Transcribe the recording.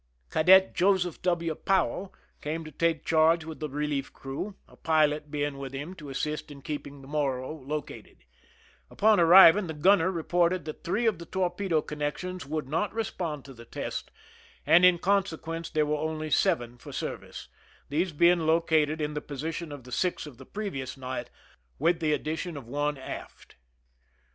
Cadet Joseph W. Powell came to take charge with the relief crew, a pilot being with him to assist in keeping the Morro located. Upon ar riving, the gunner reported that three of the tor pedo connections would not respond to the test, and in consequence there were only seven for service, these being located in the position of the six of the previous night, with the additional one aft, corre sponding to positions numbered 1, 2, 3, 4, 5, 6, and 8 on the plan, page 14.